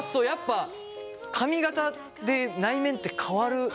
やっぱ髪形で内面って変わる。